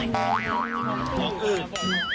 อาจารย์